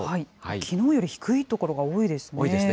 きのうより低い所が多いですね。